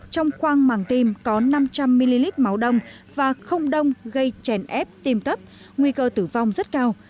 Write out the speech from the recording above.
trong khoang màng tim có năm trăm linh ml máu đông và không đông gây chèn ép tim cấp nguy cơ tử vong rất cao